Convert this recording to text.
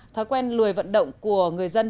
thói quen lười vận động của người dân